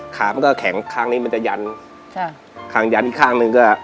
ขามันก็แข็งข้างนี้มันจะยันค่ะข้างยันอีกข้างหนึ่งก็